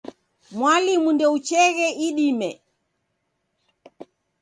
Mwalimu ndeucheghe idime.